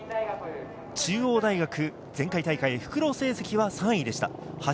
中央大学、前回大会、復路成績は３位でした。